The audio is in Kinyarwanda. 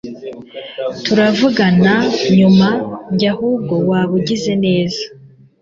turavugana nyuma! njye ahubwo waba ugize neza